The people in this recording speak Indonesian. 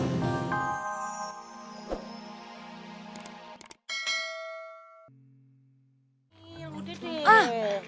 ya udah deh